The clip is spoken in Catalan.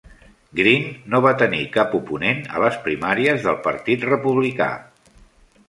Green no va tenir cap oponent a les primàries del Partit Republicà.